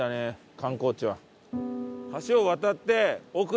観光地は。